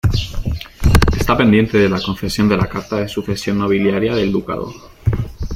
Está pendiente la concesión de la carta de sucesión nobiliaria del ducado.